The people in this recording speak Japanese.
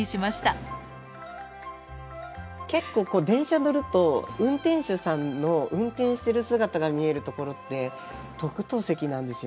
結構電車乗ると運転手さんの運転してる姿が見える所って特等席なんですよね。